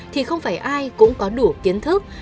thì không phải ai cũng có đủ kiến thức